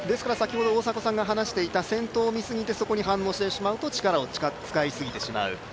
大迫さんが話していた先頭を見すぎてそこに反応してしまうと力を使いすぎてしまうと。